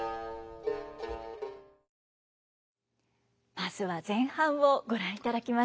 まずは前半をご覧いただきました。